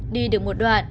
đi được một đoạn